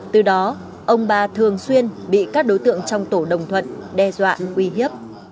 từ đó ông ba thường xuyên bị các đối tượng trong tổ đồng thuận đe dọa uy hiếp